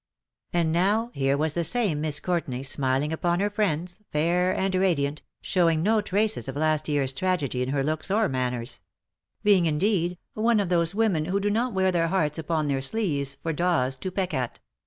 And no^r here was the same Miss Courtenay smiling upon her friends, fair and radiant, showing no traces of last year's tragedy in her looks or manners ; being, indeed, one of those women who do not wear their hearts upon their sleeves for daws to peck at.